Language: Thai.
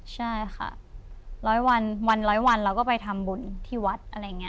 ใช่ค่ะ๑๐๐วันวันวันเราก็ไปทำบุญที่วัด